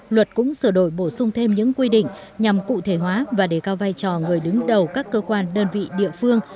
luật cũng sửa đổi bổ sung thêm những quy định nhằm cụ thể hóa và đề cao vai trò người đứng đầu các cơ quan đơn vị địa phương